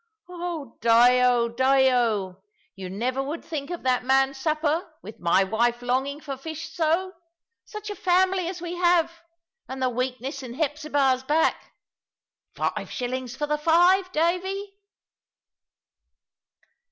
"Oh, Dyo, Dyo! you never would think of that man's supper, with my wife longing for fish so! Such a family as we have, and the weakness in Hepzibah's back! Five shillings for the five, Davy."